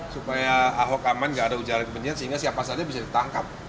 supaya ahok aman gak ada ujaran kebencian sehingga siapa saja bisa ditangkap